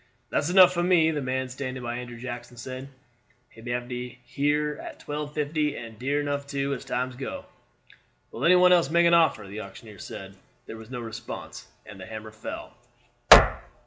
"That's enough for me," the man standing by Andrew Jackson said; "he may have her at twelve fifty, and dear enough, too, as times go." "Will any one else make an offer?" the auctioneer asked. There was no response, and the hammer fell.